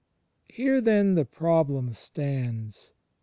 Here then the problem stands.